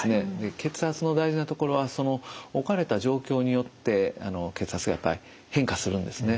血圧の大事なところはその置かれた状況によって血圧がやっぱり変化するんですね。